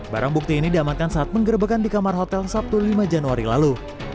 barang bukti ini diamankan saat penggerbekan di kamar hotel sabtu lima januari lalu